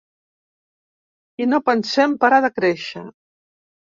I no pensem parar de créixer.